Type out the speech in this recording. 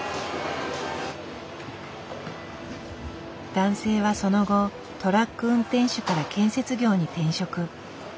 男性はその後トラック運転手から建設業に転職。